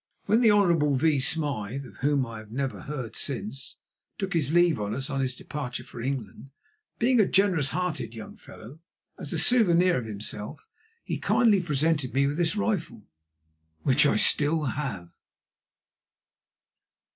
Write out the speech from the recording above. When the Honourable V. Smyth—of whom I have never heard since—took his leave of us on his departure for England, being a generous hearted young fellow, as a souvenir of himself, he kindly presented me with this rifle, which I still have.